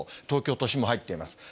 東京都心も入っています。